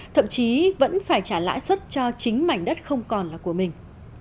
thậm chí vẫn phải trả lãi suất cho chính mảnh đất không còn là của mình